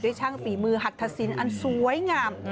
ด้วยช่างฝีมือหัดทศิลป์อันสวยงาม